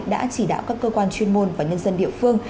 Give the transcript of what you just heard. đã chỉ đạo các cơ quan chuyên môn và nhân dân địa phương